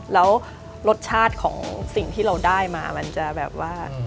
แล้วรสชาติของสิ่งที่เราได้มามันจะแบบว่า